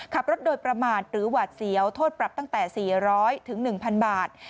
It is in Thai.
ขับรถโดยประมาทหรือหวาดเสียวโทษปรับตั้งแต่๔๐๐๑๐๐บาท